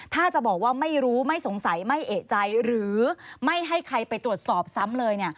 ถ้าจะบอกว่าไม่รู้ไม่สงสัยไม่เอกใจหรือไม่ให้ใครไปตรวจสอบซ้ำเลย